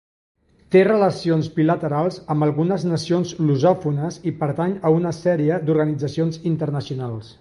Té relacions bilaterals amb algunes nacions lusòfones i pertany a una sèrie d'organitzacions internacionals.